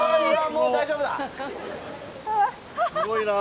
すごいな。